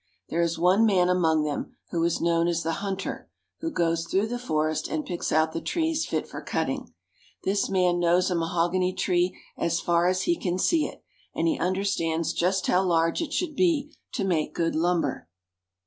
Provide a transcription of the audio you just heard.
There is one man among them, who is known as the hunter, who goes through the forest and picks out the trees fit for cutting. This man knows a mahogany tree as far as he can see it, and he understands just how large it should be to make good lumber.